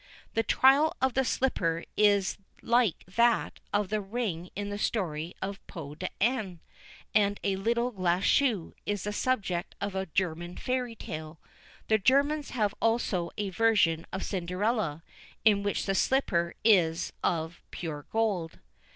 The trial of the slipper is like that of the ring in the story of Peau d'Ane, and a "little glass shoe" is the subject of a German fairy tale. The Germans have also a version of Cinderella, in which the slipper is of "pure gold."